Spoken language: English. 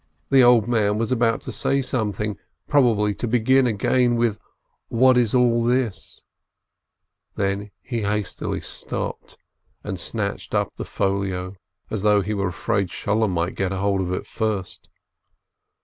The old man was about to say something, probably to begin again with "What is all this ?" Then he hastily stopt and snatched up the folio, as though he were afraid Sholem might get hold of it first.